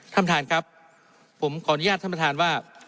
ท่านประธานครับผมขออนุญาตท่านประธานว่า